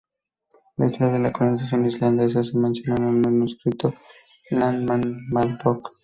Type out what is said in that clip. La historia de la colonización islandesa se menciona en el manuscrito "Landnámabók.